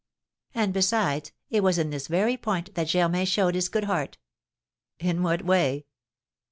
And besides, it was in this very point that Germain showed his good heart." "In what way?"